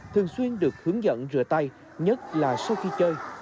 thường xuyên được hướng dẫn rửa tay nhất là sau khi chơi